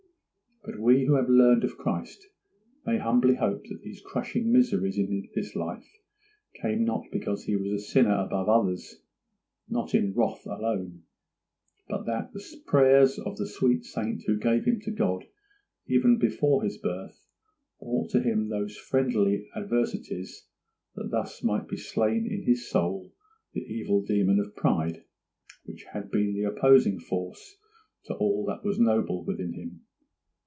But we who have learned of Christ may humbly hope that these crushing miseries in this life came not because he was a sinner above others, not in wrath alone, but that the prayers of the sweet saint who gave him to God even before his birth brought to him those friendly adversities that thus might be slain in his soul the evil demon of pride, which had been the opposing force to all that was noble within him.